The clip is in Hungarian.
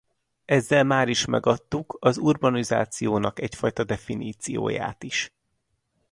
Ezzel máris megadtuk az urbanizációnak egyfajta definícióját is.